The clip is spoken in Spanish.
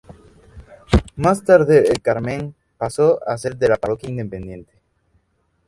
Más tarde el Carmen pasó a ser parroquia independiente.